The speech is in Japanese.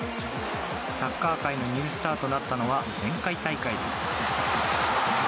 サッカー界のニュースターとなったのは前回大会です。